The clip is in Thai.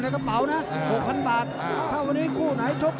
นี่คือยอดมวยแท้รักที่ตรงนี้ครับ